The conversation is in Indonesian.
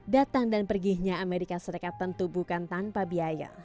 datang dan perginya amerika serikat tentu bukan tanpa biaya